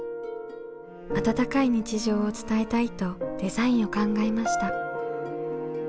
温かい日常を伝えたいとデザインを考えました。